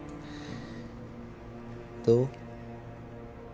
どう？